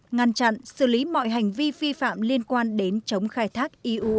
ngăn chặn xử lý mọi hành vi vi phạm liên quan đến chống khai thác